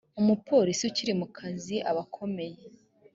umupolisi ukiri mu kazi aba akomeye